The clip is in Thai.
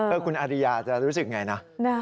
เออคุณอาริยาจะรู้สึกยังไงนะ